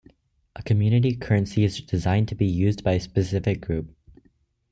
A community currency is designed to be used by a specific group.